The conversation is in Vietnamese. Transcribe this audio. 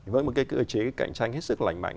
với một cái cơ chế cạnh tranh hết sức lành mạnh